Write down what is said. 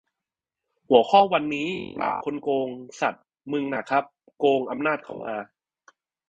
หัวข้อวันนี้ "ปราบคนโกง" สัส มึงน่ะครับ โกงอำนาจเขามา